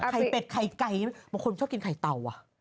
เป็ดไข่ไก่บางคนชอบกินไข่เต่า